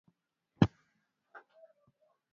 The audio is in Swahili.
na katika hatua ya nusu fainali ya